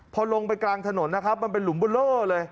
พอลงไปกลางถนนมันเป็นหลุมบัลเลอร์เลย